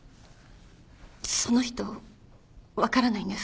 その人分からないんですか？